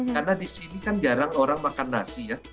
karena di sini kan jarang orang makan nasi ya